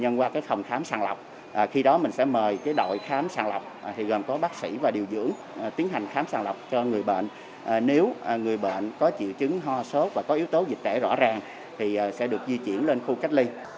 nếu người bệnh có triệu chứng hoa sốt và có yếu tố dịch tệ rõ ràng thì sẽ được di chuyển lên khu cách ly